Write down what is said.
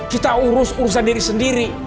kita urus urusan diri sendiri